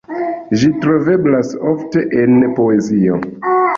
Ĝi troveblas ofte en poezio.